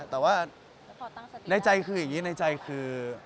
แต่ว่าในใจคือ